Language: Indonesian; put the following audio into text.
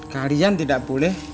kalian tidak boleh